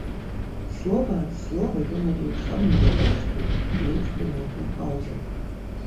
Слова ад слова ён адлучаў невялічкай, ледзь прыметнай паўзай.